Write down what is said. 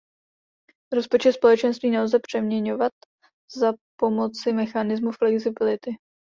Rozpočet Společenství nelze přeměňovat za pomoci mechanismu flexibility.